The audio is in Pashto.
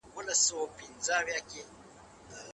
ولي په اوسنیو ادبي څېړنو کي له ساینس څخه ګټه اخیستل کیږي؟